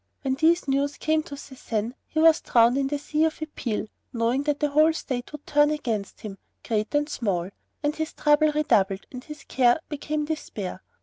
When this news came to Sasan, he was drowned in the sea of appal, knowing that the whole state had turned against him, great and small; and his trouble redoubled and his care became despair.